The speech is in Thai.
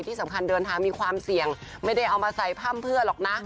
เดินทางมีความเสี่ยงไม่ได้เอามาใส่พร่ำเพื่อหรอกนะ